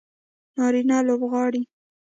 نارینه لوبغاړي